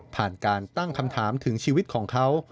ผ่านการตั้งคำถามถึงชีวิตของเขา